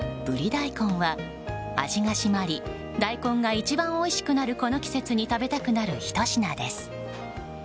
ブリ大根は、味が締まり大根が一番おいしくなるこの季節に食べたくなるひと品です。